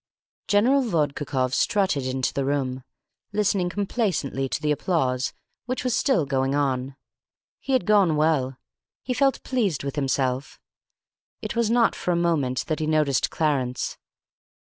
General Vodkakoff strutted into the room, listening complacently to the applause which was still going on. He had gone well. He felt pleased with himself. It was not for a moment that he noticed Clarence.